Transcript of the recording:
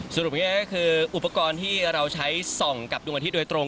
สรุปง่ายก็คืออุปกรณ์ที่เราใช้ส่องกับดวงอาทิตย์โดยตรง